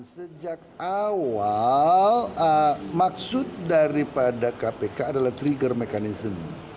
sejak awal maksud daripada kpk adalah trigger mechanism